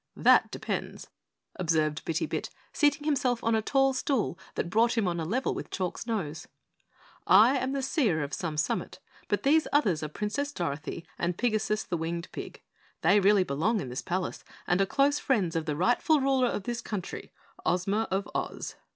"That depends," observed Bitty Bit, seating himself on a tall stool that brought him on a level with Chalk's nose. "I am the Seer of Some Summit, but these others are Princess Dorothy and Pigasus, the Winged Pig. They really belong in this palace and are close friends of the rightful ruler of this country, Ozma of Oz!"